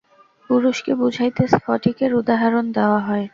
পুরুষকে বুঝাইতে স্ফটিকের উদাহরণ দেওয়া হয়।